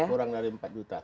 kurang dari empat juta